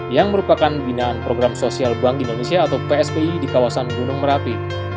yang merupakan binaan program sosial bank indonesia atau pspi di kawasan gunung merapi